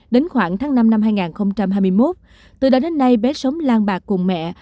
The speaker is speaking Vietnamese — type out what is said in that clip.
đến khoảng tháng năm năm hai nghìn hai mươi một từ đó đến nay bé sống lang bạc cùng mẹ